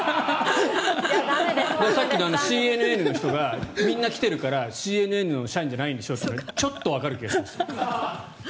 さっきの、ＣＮＮの人がみんな来てるからＣＮＮの社員じゃないんでしょっていうのちょっとわかる気がします。